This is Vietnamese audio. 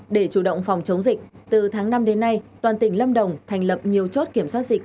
để chủ động phòng chống dịch từ tháng năm đến nay toàn tỉnh lâm đồng thành lập nhiều chốt kiểm soát dịch